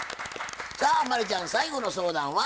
さあ真理ちゃん最後の相談は？